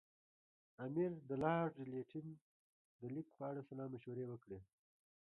امیر د لارډ لیټن د لیک په اړه سلا مشورې وکړې.